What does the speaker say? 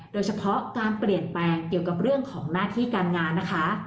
โดยเฉพาะการเปลี่ยนแปลงเกี่ยวกับเรื่องของหน้าที่การงานนะคะ